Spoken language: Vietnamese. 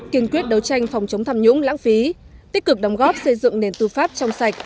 kiên quyết đấu tranh phòng chống tham nhũng lãng phí tích cực đóng góp xây dựng nền tư pháp trong sạch